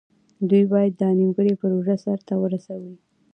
دوی باید دا نیمګړې پروژه سر ته ورسوي.